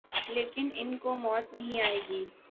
لیکن ان کوموت نہیں آئے گی